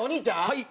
はい。